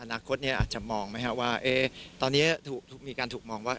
อนาคตนี้อาจจะมองไหมครับว่าตอนนี้มีการถูกมองว่า